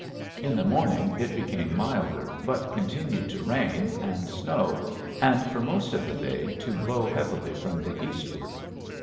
In the morning it became milder but continued to rain and snow and for most of the day to blow heavily from the eastward.